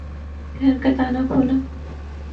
گھر کا تالا کھولا